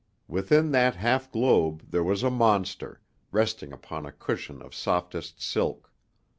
Within that half globe there was a monster, resting upon a cushion of softest silk.